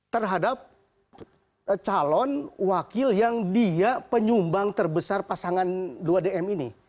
terhadap calon wakil yang dia penyumbang terbesar pasangan dua dm ini